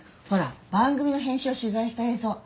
ほら番組の編集を取ざいした映像